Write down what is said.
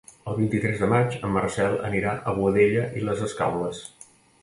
El vint-i-tres de maig en Marcel anirà a Boadella i les Escaules.